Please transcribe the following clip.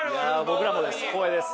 僕らもです。